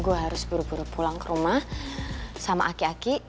gue harus buru buru pulang ke rumah sama aki aki